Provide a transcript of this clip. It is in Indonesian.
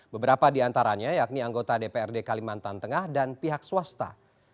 beberapa di antaranya yakni anggota dprd kalimantan tengah dan pihak swasta